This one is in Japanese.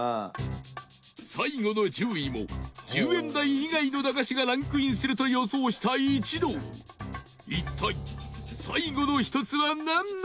最後の１０位も１０円台以外の駄菓子がランクインすると予想した一同一体、最後の１つはなんなのか？